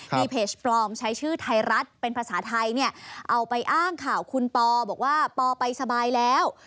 มีเพจปลอมใช้ชื่อไทยรัฐเป็นภาษาไทยเนี่ยเอาไปอ้างข่าวคุณปอบอกว่าปอไปสบายแล้ว